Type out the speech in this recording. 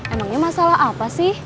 emangnya masalah apa sih